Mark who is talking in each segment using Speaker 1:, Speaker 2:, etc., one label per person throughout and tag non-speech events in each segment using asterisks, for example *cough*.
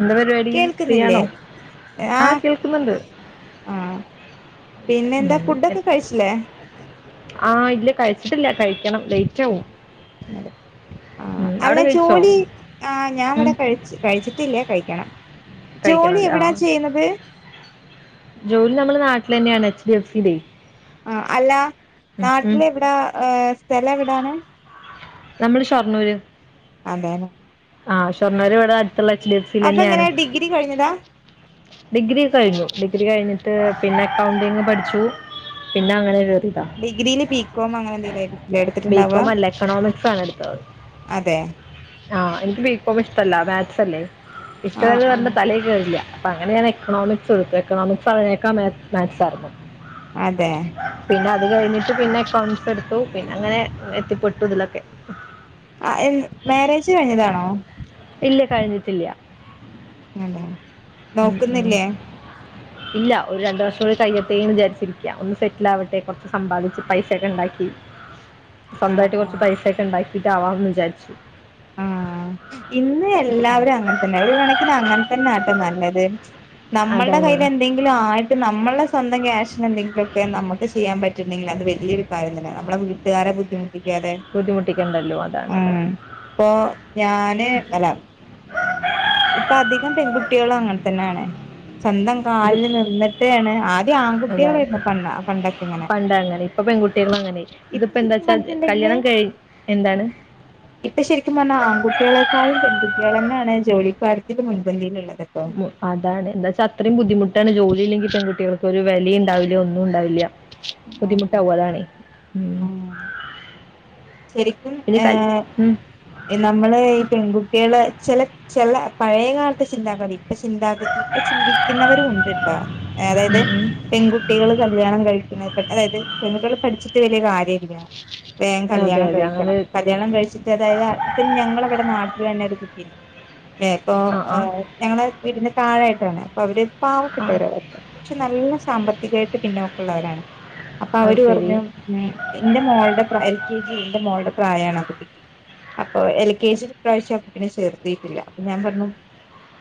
Speaker 1: എന്താ പരിപാടി
Speaker 2: കേൾക്കുന്നില്ലേ
Speaker 1: ഫ്രീയാണോ ആഹ് കേൾക്കുന്നുണ്ട്.
Speaker 2: ആഹ് പിന്നെന്താ ഫുഡൊക്കെ കഴിച്ചില്ലേ
Speaker 1: ആഹ് ഇല്ല കഴിച്ചിട്ടില്ല കഴിക്കണം ലേറ്റാവും
Speaker 2: ആഹ് അല്ല
Speaker 1: കഴിച്ചോ
Speaker 2: ജോലി ആഹ് ഞാൻ
Speaker 1: ഉം
Speaker 2: ഇവടെ കഴിച്ച്. കഴിച്ചിട്ടില്ല കഴിക്കണം ജോലി
Speaker 1: കഴിക്കണല്ലേ ആ
Speaker 2: എവിടാ ചെയ്യുന്നത്
Speaker 1: ജോലി നമ്മള് നാട്ട്ലെന്നെണ് എച്ച് ഡി എഫ് സിലേയ്
Speaker 2: ആഹ് അല്ല
Speaker 1: ഉം
Speaker 2: നാട്ടിലെവിടെ ഏഹ് സ്ഥലം എവിടാണ്?
Speaker 1: നമ്മള് ഷൊർണ്ണൂര്
Speaker 2: അതെലെ
Speaker 1: ആഹ് ഷൊർണ്ണൂർ ഇവടെ അടുത്തുള്ള എച്ച് ഡി എഫ്
Speaker 2: അപ്പൊ എങ്ങനെ
Speaker 1: സിലെന്നെയാണ്.
Speaker 2: ഡിഗ്രി കഴിഞ്ഞതാ
Speaker 1: ഡിഗ്രി കഴിഞ്ഞു ഡിഗ്രി കഴിഞ്ഞിട്ട് പിന്നെ അക്കൗണ്ടിങ് പഠിച്ചു. പിന്നെ
Speaker 2: ആഹ്
Speaker 1: അങ്ങനെ കേറീതാ
Speaker 2: ഡിഗ്രിയില് ബികോം അങ്ങനെ എന്തെങ്കിലും എടുത്തിട്ടുണ്ടാവ
Speaker 1: ബികോം അല്ല എക്കണോമിക്സ് ആണ് എട് ത്ത
Speaker 2: അതെ
Speaker 1: ആഹ് എനിക്ക് ബീ കൊമ് ഇഷ്ടല്ല മാത്‍സല്ലേ
Speaker 2: ആഹ്
Speaker 1: ഇഷ്ടല്ലാന്ന് പറഞ്ഞ
Speaker 2: ആഹ്
Speaker 1: തലയി കയറില്ല അപ്പൊ അങ്ങനെയാണ്. എക്കണോമിക്സ് എടുത്ത് എക്കണോമിക്സ് ഒക്കെ മാത്സ് ആയിരുന്നു.
Speaker 2: അതെ
Speaker 1: പിന്നെ അത് കഴിഞ്ഞിട്ട് പിന്നെ എക്കൗണ്ട്സ് എടുത്തു പിന്നെ അങ്ങനെ എത്തിപ്പെട്ടു ഇതിലൊക്കെ
Speaker 2: ആഹ് എൻ മാരേജ് കഴിഞ്ഞതാണോ?
Speaker 1: ഇല്ല കഴിഞ്ഞിട്ടില്ല.
Speaker 2: ആണോ
Speaker 1: ഉം ഉം ഇല്ല ഒരു രണ്ടു വർഷം കൂടി കയ്യട്ടേന്ന് വിചരിച്ചിരിക്ക ഒന്ന് സെറ്റിലാവട്ടെ കൊറച്ച് സമ്പാദിച്ച് പൈസ ഒക്കെ ഉണ്ടാക്കി.
Speaker 2: ആഹ്
Speaker 1: സ്വന്തായിട്ട് കൊറച്ച്
Speaker 2: ആഹ്
Speaker 1: പൈസയൊക്കെ ഉണ്ടാക്കിട്ട് ആവാമന്ന് വിചാരിച്ചു.
Speaker 2: ആഹ് ഇന്ന് എല്ലാവരും അങ്ങനെ തന്നെ ഒരു കണക്കിന് അങ്ങനെ തന്നെ ആട്ടോ നല്ലത്. നമ്മളുടെ
Speaker 1: അതാണ്
Speaker 2: കയ്യിൽ എന്തെങ്കി ലും ആയിട്ട് നമ്മളെ സ്വന്തം ക്യാഷിന് എന്തെങ്കിലൊക്കെ നമുക്ക് ചെയ്യാൻ പറ്റുന്നെങ്കിൽ അത് വലിയൊരു കാര്യം തന്നെയാ നമ്മെളെ ട്ടുകാരെ ബുദ്ധിമുട്ടിക്കാതെ
Speaker 1: ബുദ്ധിമുട്ടിക്കണ്ടല്ലോ അതാണ്
Speaker 2: ഉം
Speaker 1: അതാണ്
Speaker 2: ഇപ്പൊ ഞാന് അല്ല ഇപ്പൊ അധികം പെൺകുട്ടികളും അങ്ങനെ തന്നെയാണ് സ്വന്തം
Speaker 1: ഇത്
Speaker 2: കാലിൽ നിന്നിട്ടാണ് ആദ്യം
Speaker 1: അതാണ്
Speaker 2: ആൺകുട്ടേളായിരുന്നു പ പണ്ടൊക്കെ ഇങ്ങനെ
Speaker 1: പണ്ട് അങ്ങനെ ഇപ്പൊ പെൺകുട്ടികളും അങ്ങനെ
Speaker 2: ഇപ്പൊ
Speaker 1: ഇതിപ്പോ എന്താ
Speaker 2: ശരിക്കും
Speaker 1: വച്ചാ
Speaker 2: പറഞ്ഞിട്ടുണ്ടെങ്കില്
Speaker 1: കല്യാണം കഴി എന്താണ്?
Speaker 2: ഇപ്പൊ ശരിക്കും പറഞ്ഞാ ആൺകുട്ടേളെക്കാളും പെൺകുട്ടേളെ ന്നെണ് ജോലിക്കാര്യത്തില് മുൻപന്തിയിലുള്ളത്. ട്ടോ
Speaker 1: ഉവ്വ് അതാണ് എന്താച്ചാ അത്രയും ബുദ്ധിമുട്ട് ട്ടാണ് ജോലി ഇല്ലെങ്കി പെൺകുട്ടേൾക്ക് ഒരു വെലിം ഉണ്ടാവില്ല ഒന്നും ഉണ്ടാവില്ല
Speaker 2: ആഹ്
Speaker 1: ബുദ്ധിമുട്ടാവും അതാണേ? ഉം
Speaker 2: ആഹ് ശരിക്കും
Speaker 1: പിന്നെ കൽ ഉം.
Speaker 2: ഏഹ് നമ്മള് ഈ പെൺകുട്ടേള് ചെല ചെല പഴയ കാലത്ത് ചിന്താഗതി. ഇപ്പ ചിന്താഗതി ഇപ്പ ചിന്തിക്കുന്നവരും ഉണ്ട്ട്ടോ ഏഹ് അതായത്
Speaker 1: ഉം, ഉം.
Speaker 2: പെൺകുട്ടികൾ കല്യാണം കഴിക്കുന്ന അതായത് പെൺകുട്ടികൾ പഠിച്ചിട്ട് വല്യ കാര്യല്ല.
Speaker 1: അതെ
Speaker 2: കല്യാണം
Speaker 1: അതെ അങ്ങനെ
Speaker 2: കഴിക്കണം. മലയാളം കഴിച്ചിട്ട് അതായത് ഇപ്പം ഞങ്ങളവടെ നാട്ടിലെന്നെ ഒരു കുട്ടിണ്ട് ഏഹ് ഇപ്പൊ
Speaker 1: ആ ആ
Speaker 2: ഞങ്ങളെ വീടിന്റെ താഴായിട്ടാണ് അപ്പൊ അവര്
Speaker 1: ആ
Speaker 2: പാവപ്പെട്ടവരാണ്. പക്ഷേ നല്ല സാമ്പത്തികായിട്ട് പിന്നോക്കള്ളവരാണ് അപ്പൊ
Speaker 1: അത്
Speaker 2: അവര്
Speaker 1: ശരി
Speaker 2: പറഞ്ഞു. ഉം എന്റെ മോൾടെ പ്രായ എൽ കെ ജി എന്റെ മോളുടെ പ്രായാണ് ആ കുട്ടിക്ക് അപ്പൊ എൽ കെ ജിൽ ഇപ്രാവശ്യം കുട്ടിനെ ചേർത്തിട്ടില്ല അപ്പൊ ഞാൻ പറഞ്ഞു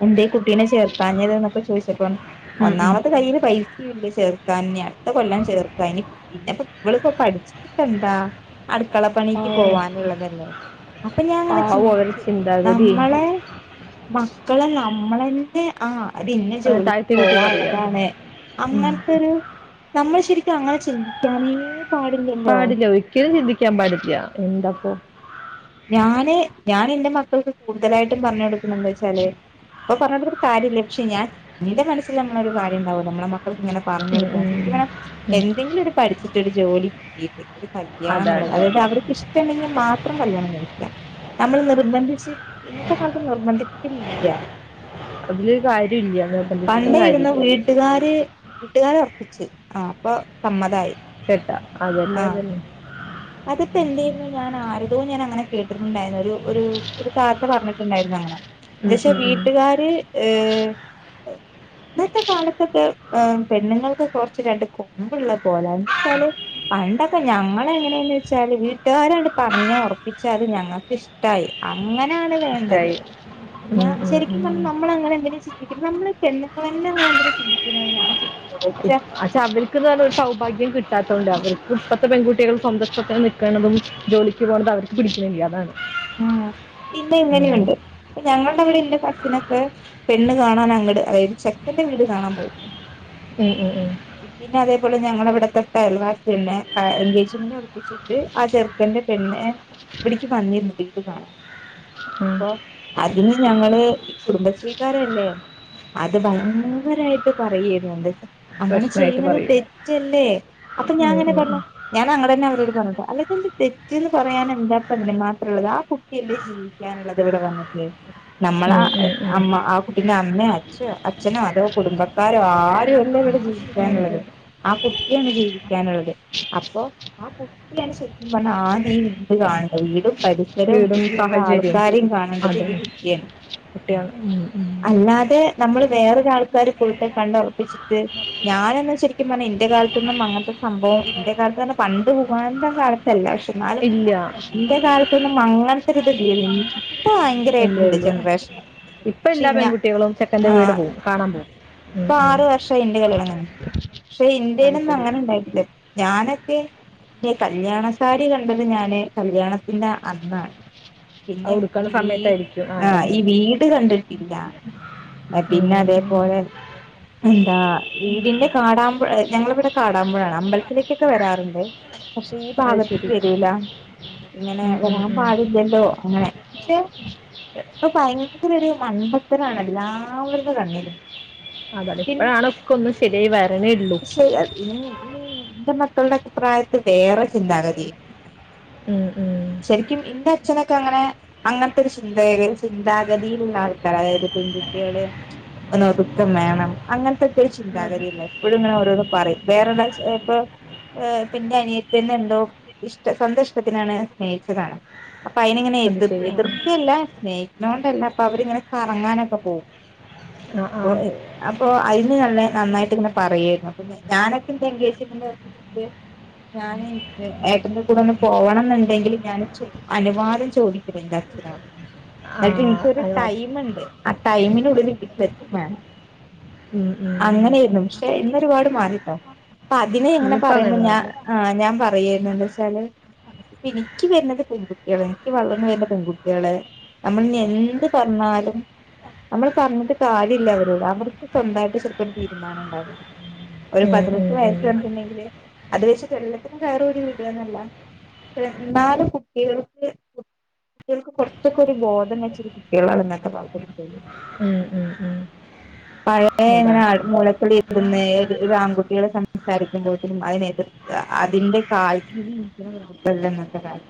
Speaker 2: എന്തേ കുട്ടീനെ ചേർത്താഞ്ഞത് എന്നൊക്കെ ചോദിച്ചപ്പം
Speaker 1: ഉം, ഉം.
Speaker 2: ഒന്നാമത്തെ കയ്യില് പൈസ സില്ല ചേർക്കാൻ ഇനി അടുത്ത കൊല്ലം ചേർക്കാ ഇനി പിന്നെപ്പ ഇവള്പ്പൊ പഠിച്ചിട്ടെന്താ? അട്ക്കള പണിക്ക്
Speaker 1: ആവോ,
Speaker 2: പോവാനുള്ളതല്ലേ അപ്പൊ ഞാൻ അങ്ങനെ
Speaker 1: ആവോ അവരുടെ
Speaker 2: ചിന്തിച്ചു.
Speaker 1: ചിന്താഗതി
Speaker 2: നമ്മളെ മക്കളെ നമ്മളെന്നെ ആഹ് അത് ഇന്ന
Speaker 1: അങ്ങനെ
Speaker 2: ജോലിക്ക്
Speaker 1: താഴ്ത്തി കൂട്ടി പറയാ
Speaker 2: പോവാള്ളതാണ്
Speaker 1: ഉം.
Speaker 2: അങ്ങനത്തെരു നമ്മൾ ശരിക്കും അങ്ങനെ ചിന്തിക്കാനേ പാടില്ല.
Speaker 1: പാടില്ല ഒരിക്കലും ചിന്തിക്കാൻ പാടില്ല എന്താപ്പോ?
Speaker 2: ഞാന് ഞാൻ എൻറെ മക്കൾക്ക് കൂടുതലായിട്ടും പറഞ്ഞ കൊടുക്കുന്നന്തച്ചാല് അപ്പ പറഞ്ഞട്ടൊരു കാര്യമില്ല പക്ഷെ ഞാൻ ന്റെ മനസ്സിൽ നമ്മളൊരു കാര്യണ്ടാവല്ലോ നമ്മളെ മക്കൾ ഇങ്ങനെ പറഞ്ഞു
Speaker 1: ഉം,
Speaker 2: കൊടുക്ക
Speaker 1: ഉം.
Speaker 2: ശരിക്കുപറഞ്ഞാൽ
Speaker 1: ഉം.
Speaker 2: എന്തെങ്കിലും ഒരു പഠിച്ചിട്ട് ഒരു ജോലി കിട്ടിട്ട് യാണം
Speaker 1: അതാണ്
Speaker 2: എന്നുള്ളത് അതായത് അവർക്ക് ഇഷ്ടുണ്ടെങ്കിൽ മാത്രം കല്യാണം കഴിക്കാം നമ്മൾ നിർബന്ധിച്ച് ഇന്നത്തെ കാലത്ത് നിർബന്ധിപ്പിക്കില്ല.
Speaker 1: അതിലൊരു കാര്യല്ല.
Speaker 2: പണ്ട ഇരുന്ന വീട്ടുകാര് വീട്ടുകാര ഉറപ്പിച്ചു ആ അപ്പൊ സമ്മതായി.
Speaker 1: ചെട്ട അതുന്നെ അതന്നെ.
Speaker 2: അതൊപ്പോെ എന്തയിരുന്നു ഞൻ ആര്തോ ഞാൻ അങ്ങനെ കേട്ടിട്ടുണ്ടായിരുന്നു. ഒരു ഒരു താത്ത പറഞ്ഞിട്ടുണ്ടായിരുന്നു.
Speaker 1: ഉം
Speaker 2: പക്ഷെ
Speaker 1: ഉം ഉം
Speaker 2: വീട്ടുകാര് ഏഹ് ഇന്നത്തെ കാലത്തൊക്കെ ഏഹ് പെണ്ണുങ്ങൾക്ക് കൊറച്ച് രണ്ട് കൊമ്പുള്ള പോലാന്ന് എന്ത ച്ചാല് പണ്ടൊക്കെ ഞങ്ങളെങ്ങെനേന്ന് വെച്ചാല് വീട്ടുകാരാണ്ട് പറഞ്ഞ് ഒറപ്പിച്ചാല് ഞങ്ങക്കിഷ് ട്ടായി അങ്ങനെയാണ് വേണ്ടത്
Speaker 1: ഇഷ്ടായി ഉം
Speaker 2: ഞാൻ
Speaker 1: ഉം
Speaker 2: ശരിക്കും
Speaker 1: ഉം
Speaker 2: പർഞ്ഞാ നമ്മളങ്ങനെ എന്തെലും ചെയ് നിക്കുന്നെ നമ്മള് പെണ്ണുങ്ങളെന്ന എന്തിനാ ചിന്തിക്ക്ണ് ഞാ ചി
Speaker 1: *inaudible* പക്ഷെ അവർക്ക് നല്ലരു സൗഭാഗ്യം കിട്ടാത്തോണ്ട് അവർക്ക് ഇപ്പത്തെ പെൺകുട്ടികൾ സ്വന്തം ഇഷ്ടത്തിന് നിക്ക്ണതും ജോലിക്ക് പോകണത് അവർക്ക് പിടിക്ക്ണില്ല അതാണ്.
Speaker 2: ആഹ് പിന്നെ
Speaker 1: ഉം
Speaker 2: ഇങ്ങനെയുണ്ട് ഞങ്ങൾടെ അവിടെ ഇന്റെ കസിനൊക്കെ പെണ്ണ് കാണാൻ അങ്ങട്, അതായത് ചെക്കൻന്റെ വീട് കാണാൻ പോയി.
Speaker 1: ഉം ഉം ഉം.
Speaker 2: *unintelligible* പിന്നെ അതേപോലെ ഞങ്ങളെ ഇവെട തൊട്ട അയൽവാ പിന്നെ ആഹ് എൻഗേജ്മെന്റ് ഒറപ്പിച്ചിട്ട് ആ ചെറുക്കന്റെ പെണ്ണ്, ഏഹ് ഇവിട്ക്ക്യ് വന്നിരുന്നു. വീട്ടി കാണും.
Speaker 1: ഉം
Speaker 2: അപ്പൊ, അതിന് ഞങ്ങള് ഈ കുടുംബ ശ്രീ ക്കാരല്ലേ? അത് ഭയങ്കരായിട്ട് പറയേര്ന്നു എന്താച്ച അങ്ങനെ
Speaker 1: പ്രശ്നമായിട്ട്
Speaker 2: ചെയ്യുന്നത്
Speaker 1: പറയും
Speaker 2: തെറ്റല്ലേ അപ്പം
Speaker 1: ഉം
Speaker 2: ഞാൻങ്ങെനെ
Speaker 1: ഉം
Speaker 2: പർഞ്ഞു.
Speaker 1: ഉം
Speaker 2: ഞാൻ അങ്ങടെന്നെ അവരോട് പറഞ്ഞുട്ടാ. അല്ലെ ഇതെന്ത് തെറ്റ് ന്ന് പറയാനെന്താപ്പം അതിന് മാ ള്ളത് ആ കുട്ടില്ലേ ജീവിക്കാനുള്ളത് ഇവിടെ വന്നിട്ടേ നമ്മളാ
Speaker 1: ഉം ഉം ഉം
Speaker 2: അമ്മ ആ കുട്ടിന്റെ അമ്മ അച്ഛ അച്ഛനോ അതോ കുടുംബ ക്കാരോ ആരല്ല ഇവിടെ
Speaker 1: അതെ.
Speaker 2: ജീവിക്കാനുള്ളത് ആ കുട്ടിയാണ് ജീവിക്കാനുള്ളത് അപ്പൊ ആ കുട്ടിയാണ് ശരിക്കും പറഞ്ഞാ ആദ്യ ഈ വീട് കാണണ്ടത്. വീടും പരിസരവും
Speaker 1: വീടും
Speaker 2: വീട്ടിലുള്ള
Speaker 1: സാഹചര്യം
Speaker 2: ആൾക്കാരെയും കാണേണ്ടത്
Speaker 1: അതെ
Speaker 2: ഈ കുട്ടിയാണ്
Speaker 1: കുട്ടിയാണ് ഉം ഉം
Speaker 2: അല്ലാതെ, നമ്മള് വേറൊരാൾക്കാര് പോയിട്ട് കണ്ടു റപ്പിച്ചിട്ട്. ഞാനൊന്നും ശരിക്കും പറഞ്ഞാ ഇന്റെ കാലത്ത്ന്നും അങ്ങനത്തെ സംഭവം ഇന്റെ കാലത്ത് ന്നാൽ പണ്ട് ഉഗാണ്ട കാലത്ത് എല്ലാ പക്ഷെ ഇന്നാലും
Speaker 1: ഇല്ല
Speaker 2: ഇന്റെ കാലത്തൊന്നും അങ്ങൻത്തൊരിത് ഇല്ലേന്നിനി
Speaker 1: ഇല്ല ഇല്ല ഇപ്പൊ
Speaker 2: പക്ഷെ
Speaker 1: എല്ലാ
Speaker 2: ഞ
Speaker 1: പെൺകുട്ടികളും ചെക്കന്റെ വീട്
Speaker 2: ആഹ്
Speaker 1: പോവും കാണാൻ പോവും ഉം, ഉം
Speaker 2: റ്റൊ എൻ്റെ കല്യാണം കഴിഞ്ഞു പക്ഷെ
Speaker 1: അത്
Speaker 2: ന്റെയിലന്നും
Speaker 1: ശരി
Speaker 2: അങ്ങനെ ണ്ടായിട്ട് ഞാനൊക്കെ ന്റെ കല്യാണ സാരി കണ്ടത് ഞാന് കല്യാണ ഇല്ല അന്നാണ്
Speaker 1: അത്
Speaker 2: ഇന്റെ
Speaker 1: ഉടുക്കണ
Speaker 2: ഈ വീട്
Speaker 1: സമയത്തായിരിക്കും ആ
Speaker 2: ആഹ്
Speaker 1: അതാണ്
Speaker 2: ഈ വീട് കണ്ടിട്ടില്ല *unintelligible* പിന്നെ
Speaker 1: ഉം ഉം
Speaker 2: അതേപോലെ എന്താ, വീടിന്റെ കാടാമ്പഴ അല്ല, ഞങ്ങളിവിടെ കാടാമ്പുഴാണ്. അമ്പലത്തിലേ ക്കൊക്കെ വരാറുണ്ട്. പക്ഷെ ഈ
Speaker 1: അത്
Speaker 2: ഭാഗത്ത്ക്ക്
Speaker 1: ശരി
Speaker 2: വരൂല ഇങ്ങനെ
Speaker 1: ഉം ഉം
Speaker 2: വരാൻ
Speaker 1: ഉം
Speaker 2: പാടി ഇല്ലല്ലോ അങ്ങനെ പക്ഷെ ഇപ്പ ഭയങ്കര ഒരു മണ്ടത്തരാണ് എല്ലാവരുടെ കണ്ണീരും
Speaker 1: അതാണ് ഇപ്പഴാണൊക്കന്ന് ശരിയായി വരണേ ഉള്ളൂ
Speaker 2: *inaudible* ഇന്റെ മക്കള്ടെ പ്രായത്തിൽ വേറെ ചിന്താഗതി
Speaker 1: ഉം ഉം.
Speaker 2: ശരിക്കും ഇന്റെ അച്ഛനൊക്കെ അങ്ങനെ അങ്ങൻത്തെ ഒരു ചിന്താഗെ ചിന്താഗതിയിലുള്ള ആൾക്കാര് അതായത് പെൺ കുട്ട്യാള് ഒന്ന് ഒതുക്കം വേണം അങ്ങൻത്തെക്കെ ഒരു
Speaker 1: അത്
Speaker 2: ചിന്താഗതില്ലെ എപ്പഴും ഇങ്ങനെ ഓരോന്ന് പറയും *unintelligible* ചെ പ് ഏഹ് ഇപ്പെന്റെ അനിയത്ത്യന്നെ എന്തോ ഇഷ്ട സ്വന്തം ഇഷ്ടത്തിനാണ് സ്നേഹിച്ചതാണ് അപ്പൊ, അയിനിങ്ങനെ
Speaker 1: അത്
Speaker 2: എതിർ,
Speaker 1: ശരി ആ
Speaker 2: എതിർക്ക ല്ല. സ്നേഹി ക്ണോണ്ട ല്ല. അപ്പൊ, അവരിങ്ങനെ കറങ്ങാനൊക്കെ *unintelligible*
Speaker 1: ആ
Speaker 2: അപ്പൊ, അതിന് തന്നെ നന്നായിട്ട് ഇങ്ങനെ പറയായിരുന്നു. അപ്പൊ, ഞാനൊ ക്കെ എന്റെ എൻഗേജ്മെന്റ് ത് ഞാന് ഏട്ടന്റെ കൂടെ ഒന്ന് പോവണം ന്നുണ്ടെങ്കില് ഞാൻ ചു അനുവാദം ചോദിക്കു എന്റെ
Speaker 1: ആ ആ
Speaker 2: ഇന്നട്ട് ഇൻക്കൊരു
Speaker 1: അത് വാ-
Speaker 2: ടൈമ്ണ്ട് ആ ടൈമിനുള്ളിൽ വീട്ടിലെത്തും വേണം.
Speaker 1: ഉം ഉം
Speaker 2: അങ്ങനെയായിരുന്നു. പക്ഷെ ഇന്നൊരുപാട് മാറിട്ടോ. അപ്പ അതിനെങ്ങനെ
Speaker 1: ഇന്നിപ്പോ
Speaker 2: പറയുമ്പോ ഞാൻ
Speaker 1: അങ്ങനൊന്നുമില്ല
Speaker 2: ആ ഞാൻ പറയരുന്നു എന്താ ച്ചാല്. എനിക്ക് വരണത് പെൺകുട്ടികളെ, എനിക്ക് വളർന്ന് വരുന്ന പെൺകുട്ടികളെ., നമ്മൾ എന്ത് പറഞ്ഞാലും- നമ്മള് പറഞ്ഞിട്ട് കാര്യല്ല അവരോട്. അവർക്ക് സ്വന്തമായിട്ട് ചെലപ്പോ ഒരു തീരുമാനം ഉണ്ടാവും. ഒരു
Speaker 1: ഉം
Speaker 2: പതിനെട്ട്
Speaker 1: ഉം ഉം
Speaker 2: വയസ്സ് പറഞ്ഞിട്ട്ണ്ടെങ്കില്, അത് വച്ച്ട്ട് എല്ലത്തിനും കയറൂരി വിട എന്നല്ല. പക്ഷെ ന്നാലും കുട്ടികൾക്ക്- കുട്ടികൾക്ക് കുറച്ചൊക്കെ ഒരു ബോധം വെച്ച കുട്ടികളാണ് ഇന്നത്തെ കാലത്തെ കുട്ടികൾ.
Speaker 1: ഉം. ഉം. ഉം.
Speaker 2: പഴയ ഇങ്ങനെ
Speaker 1: അതാണ്
Speaker 2: മൂലക്കലിരുന്ന്, ഒരാൺ കുട്ടികൾ സംസാരിക്കുമ്പോഴ്ത്തിനും അതിനെതിർത്ത് അതിന്റെ കാൽക്കലിരിക്കല്ല ഇന്നത്തെ കാലം.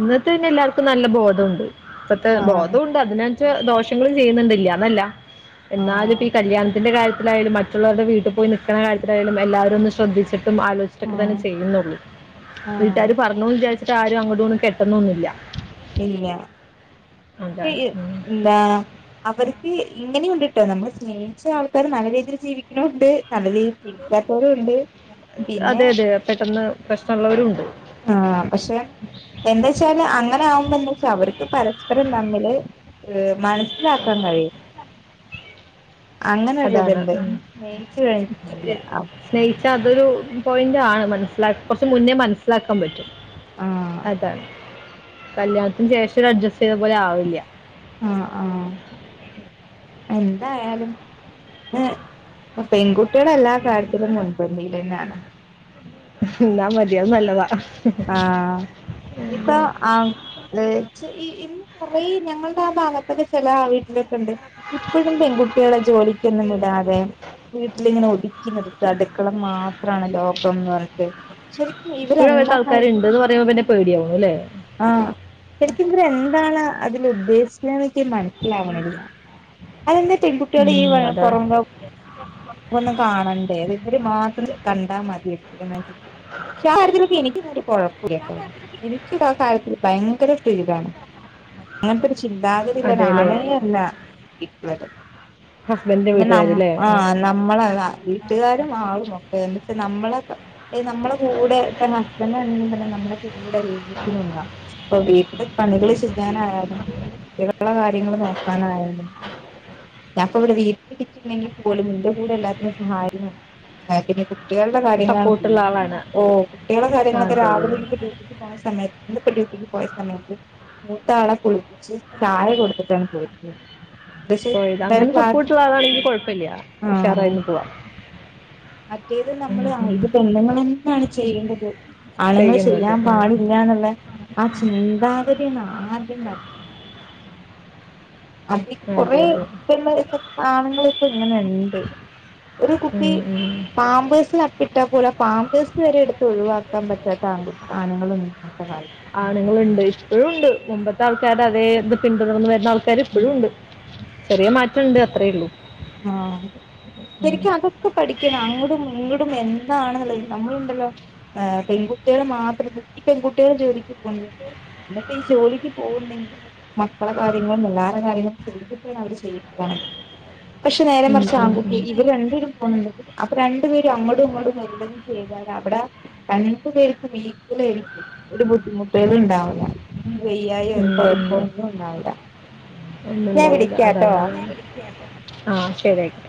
Speaker 1: ഇന്നത്തെ തന്നെ എല്ലാർക്കും നല്ല ബോധംണ്ട്. ഇപ്പത്തെ
Speaker 2: ആഹ്
Speaker 1: ബോധംണ്ട്, അതിനച്ച ദോഷ- നിങ്ങള് ചെയ്യ്ന്നണ്ടില്ല. ഇന്നാല്ല എന്നാലുംപ്പൊ
Speaker 2: ആഹ്
Speaker 1: ഈ കല്യാണത്തിന്റെ കാര്യത്തിലായാലും മ- മറ്റുള്ളോരുടെ വീട്ടിൽ പോയി നിക്കണ കാര്യത്തിലായാലും എല്ലാവരും ഒന്ന് ശ്രദ്ധിച്ചി ട്ടും ആലോചിട്ടൊക്കെ തന്നെ
Speaker 2: ആഹ്
Speaker 1: ചെയ്യുന്നുള്ളൂ,
Speaker 2: ആഹ്
Speaker 1: വീട്ടാര് പറഞ്ഞുന്ന് വിചാരി ട്ടാരും അങ്ങോട്ടും ഇങ്ങോട്ടും കെട്ടുന്നൊന്നുല്ല.
Speaker 2: ഇല്ല.
Speaker 1: അതാണ്
Speaker 2: *unintelligible*
Speaker 1: ഉം.
Speaker 2: എന്താ? അവർക്ക് ഇങ്ങനെയുണ്ട്ട്ടോ. നമ്മള് സ്നേഹിച്ച ആൾക്കാർ നല്ല രീതിയില് ജീവിക്കണോംണ്ട്, നല്ല രീൽ
Speaker 1: അതെ അതെ പെട്ടെന്ന് പ്രശ്നള്ളവരും ഉണ്ട്.
Speaker 2: ആഹ്, പക്ഷെ, എന്താച്ചാല് അങ്ങനെ ആകു മ്പ ന്തെച്ചാ അവർക്ക് പരസ്പരം തമ്മില് ഏഹ് മനസ്സിലാക്കാൻ കഴിയും. അങ്ങനെ
Speaker 1: അതാണ്
Speaker 2: ഒരത്ണ്ട്. സ്നേഹിച്ച് കഴിഞ്ഞി *unintelligible*
Speaker 1: സ്നേഹിച്ചാ അതൊരു പോയിന്റ് ആണ്. മനസ്സിലാ കുറച്ച് മുന്നേ മനസ്സിലാക്കാൻ പറ്റും. അതാണ്. കല്യാണത്തിന് ശേഷം ഒര് അഡ്ജസ്റ്റ് ചെയ്ത പോലെ ആവില്ല.
Speaker 2: ആഹ് ആഹ് എന്തായാലും ന്നെ ഇപ്പൊ പെൺകുട്ടിയൾ എല്ലാ കാര്യത്തിലും മുൻപന്തിയിലെന്നാണ്.
Speaker 1: ന്നാ മതി. അത് നല്ലതാ.
Speaker 2: ആഹ് ഇഞ്ഞിപ്പൊ ആണ *unintelligible* ച്ച് ഈ ഇന്ന് കൊറേ ഞങ്ങളുടെ ആ ഭാഗത്തൊക്കെ ചെല ആ വീട്ടിലൊക്കെണ്ട്, ഇപ്പഴും പെൺകുട്ടിയളെ ജോലിക്കൊന്നും വിടാതെ വീട്ടിലിങ്ങനെ ഒതുക്കി നിർത്ത. അടുക്കള മാത്രാണ് ലോകംന്ന് പറഞ്ഞിട്ട്. ശരിക്കും ഇവർ എന്ന
Speaker 1: ക്കാര് ഇണ്ട്ന്ന് പറയുമ്പോ പിന്നെ പേടിയാവും അല്ലേ?
Speaker 2: ആഹ്, ശെരിക്കും ഇവർ എന്താണ് അതിൽ ഉദ്ദേശിക്കണ്ന്നെനിക്ക് മനസ്സിലാവണില്ല. അതെന്താ ഈ പെൺകുട്ടികള് ഈ
Speaker 1: ഉം,
Speaker 2: പൊറം ലോ
Speaker 1: *inaudible*
Speaker 2: ഒന്നും കാണണ്ടേ ഇവര് മാത്രേ കണ്ടാ മതിയോ? *unintelligible* ക്ഷെ ആ കാര്യത്തിലൊക്കെ എനിക്കിന്നൊരു കൊഴപ്പുല്ലട്ടോ എനിക്ക് ആ കാര്യത്തില് ഭയങ്കര ഫ്രീഡാണ്. അങ്ങനത്തൊരു ചിന്താഗ തില്ലൊരു
Speaker 1: അതെ അല്ലേ
Speaker 2: ആണേ അല്ല കിട്ടിയേത്.
Speaker 1: ഹസ്ബൻഡിന്റെ
Speaker 2: പിന്നെ നമ്മ
Speaker 1: വീട്ടുകാരല്ലേ
Speaker 2: ആഹ് നമ്മളെ വീട്ടുകാരും ആളും ഒക്കെ ഒന്ന്ച്ച് നമ്മളൊക്കെ ഏഹ്‌ നമ്മളെ കൂടെ ഇപ്പ ഹസ്ബൻ്റും പിന്നെ നമ്മുടെ കൂടെ *unintelligible* അപ്പൊ വീട്ടില് ഇപ്പൊ ഇംഗ്ലീഷ് ഞാനാ *unintelligible* ക്കളെ കാര്യങ്ങള് നോക്കാനായാലും ഞാപ്പവടെ വീട്ടിൽ ഇരിക്കിന്നെങ്കി പോലും ന്റെ കൂടെ എല്ലാത്തിനും സഹായ *unintelligible* സഹായത്തിനിണ്ട് കുട്ടിയളുടെ കാര്യങ്ങളാണ്
Speaker 1: സപ്പോർട്ടുള്ള
Speaker 2: കൂടുതലും.
Speaker 1: ആളാണ്
Speaker 2: ഓഹ് കുട്ടിയളെ
Speaker 1: ആ,
Speaker 2: കാര്യങ്ങളൊക്കെ
Speaker 1: അതെ അതെ
Speaker 2: രാവിലെ ഇനി- ഇന്ന് പോയ സമയ ഇന്ന് ഇപ്പ ഡ്യൂട്ടിക്ക് പോയ സമയത്ത് മൂത്താള കുളിപ്പിച്ച് ചായ കൊടുത്ത് ട്ടാണ് പോയിട്ടുള്ളത് പക്ഷെ
Speaker 1: പോയത് അങ്ങനെ
Speaker 2: എന്തായാലും ക്ലാസ്
Speaker 1: സപ്പോർട്ട് ഉള്ള ആളാണെങ്കി കൊഴപ്പില്ല
Speaker 2: ആഹ്
Speaker 1: ഉഷാറായിന്ന് പോവാ
Speaker 2: മറ്റേത് നമ്മള് ആഹ് ഇത് പെണ്ണുങ്ങള് തന്നെയാണ് ചെയ്യേണ്ടത് ആണുങ്ങള്
Speaker 1: ചെയ്യുന്നത്
Speaker 2: ചെയ്യാൻ
Speaker 1: ഉം.
Speaker 2: പാടില്ലന്നുള്ള ആ ചിന്താഗതിയാണ് ആദ്യം മാറ്റേ - അതി
Speaker 1: അതെ അതെ
Speaker 2: കൊറെപേരുടെ ആണുങ്ങള് ഇപ്പ ഇങ്ങനെണ്ട് ഒരു കുട്ടി
Speaker 1: ഉം, ഉം.
Speaker 2: പാംപേഴ്സില് അപ് - ട്ടാ പോലും ആ പാംമ്പേഴ്സ് വരെ എടുത്ത് ഒഴിവാക്കാൻ പറ്റാത്ത ആൺ ആണുങ്ങളാ ഇന്നത്തെ കാലത്ത്
Speaker 1: ആണുങ്ങളുണ്ട് ഇപ്പഴും ഉണ്ട് മുമ്പത്തെ ആൾക്കാരെ അതേ ഇത് പിന്തുടർന്ന് വരുന്ന ആൾക്കാര്
Speaker 2: ഉം
Speaker 1: ഇപ്പഴും ഉണ്ട് ചെറിയ മാറ്റം ഇണ്ട് അത്രേയുള്ളൂ
Speaker 2: ആഹ് പ്പ എനിക്കതൊക്കെ പഠിക്കണം അങ്ങോടും ഇങ്ങോടും എന്താണെള്ളത് നമ്മളുണ്ടല്ലോ ആഹ് പെൺകുട്ടികള് മാത്രം ഈ പെൺകുട്ടികളും ജോലിക്ക് പോകുന്നു എന്ന ജോലിക്ക് പോകാണേ മക്കളെ കാര്യങ്ങളും എല്ലാരുടെ കാര്യങ്ങളും ചെയ്തിട്ടാണ് അവര് *unintelligible* പക്ഷെ നേരെ
Speaker 1: ഉം,
Speaker 2: മറിച്ച്
Speaker 1: ഉം,
Speaker 2: ആൺകുട്ടി
Speaker 1: ഉം.
Speaker 2: ഇവര് രണ്ടേരും പോണുണ്ട് അപ്പൊ രണ്ടു പേരും അങ്ങോടും ഇങ്ങോടും എന്തും ചെയ്താല അവിടെ രണ്ടു പേർക്കും എക്കുവൽ ആയിരിക്കും ഒരു ബുദ്ധിമുട്ടുകളും ഉണ്ടാവില്ല ഒരു വെയ്യായി ഒരു
Speaker 1: ഉം, ഉം.
Speaker 2: കൊഴപ്പൊന്നും ഉണ്ടാവില്ല
Speaker 1: ഒന്നും
Speaker 2: ഞാൻ
Speaker 1: ഇണ്ടാവൂല
Speaker 2: വിളിക്കാട്ടോ
Speaker 1: അതാണ് ആഹ് ശരി ഓക്കെ